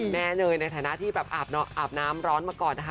เนยในฐานะที่แบบอาบน้ำร้อนมาก่อนนะคะ